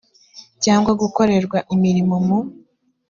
cyangwa gukorerwa imirimo mu